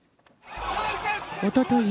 おととい